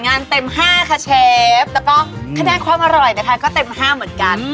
งานเต็ม๕ค่ะเชฟแล้วก็คะแนนความอร่อยนะคะก็เต็ม๕เหมือนกัน